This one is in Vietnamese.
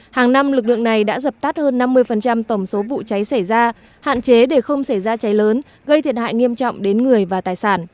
hàng năm lực lượng này đã dập tắt hơn năm mươi tổng số vụ cháy xảy ra hạn chế để không xảy ra cháy lớn gây thiệt hại nghiêm trọng đến người và tài sản